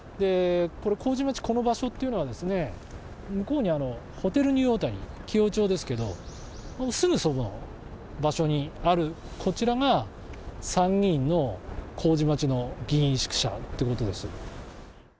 麹町、この場所というのは向こうにホテルニューオータニ紀尾井町ですがすぐそこの場所にあるこちらが参議院の麹町の議員宿舎ということです。